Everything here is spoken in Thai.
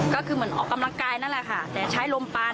ก็คือเหมือนออกกำลังกายนั่นแหละค่ะแต่ใช้ลมปาน